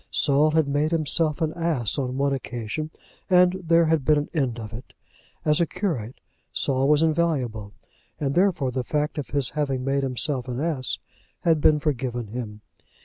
Saul had made himself an ass on one occasion, and there had been an end of it. As a curate Saul was invaluable, and therefore the fact of his having made himself an ass had been forgiven him.